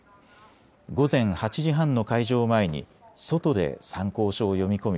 午前８時半の開場を前に外で参考書を読み込み